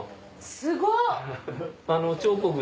すごっ！